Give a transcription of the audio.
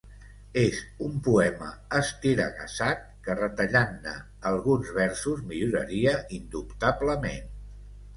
És un poema estiregassat que retallant-ne alguns versos milloraria indubtablement.